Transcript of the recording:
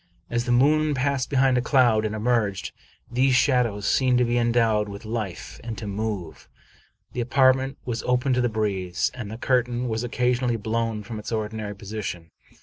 As the moon passed behind a cloud and emerged, these shadows seemed to be endowed with life, and to move. The apartment was open to the breeze, and the curtain was occa sionally blown from its ordinary position.